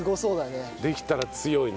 できたら強いな。